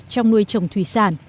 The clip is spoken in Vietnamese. trong nuôi trồng thủy sản